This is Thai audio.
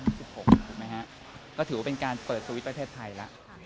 ถูกไหมฮะก็ถือว่าเป็นการเปิดสวิตช์ประเทศไทยแล้ว